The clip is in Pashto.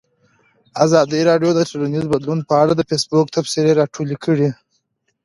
ازادي راډیو د ټولنیز بدلون په اړه د فیسبوک تبصرې راټولې کړي.